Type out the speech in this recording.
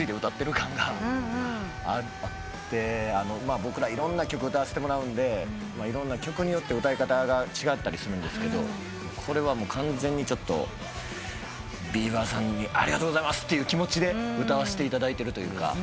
僕らいろんな曲歌わせてもらうんで曲によって歌い方が違ったりするんですけどこれは完全にビーバーさんにありがとうございますって気持ちで歌わせていただいてる。